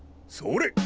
それ！